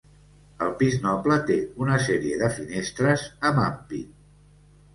El pis noble té una sèrie de finestres amb ampit.